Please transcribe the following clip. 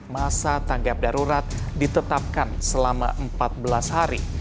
masa tanggap darurat ditetapkan selama empat belas hari